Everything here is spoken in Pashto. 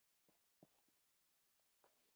پرمختګ د بازار اقتصادي سیستم ولاړ دی.